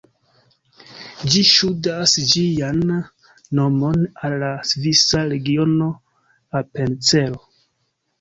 Ĝi ŝuldas ĝian nomon al la svisa regiono Apencelo.